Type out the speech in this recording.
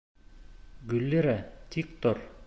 Гөллирә, тик тор!